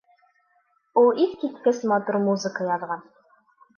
Ул иҫ киткес матур музыка яҙған.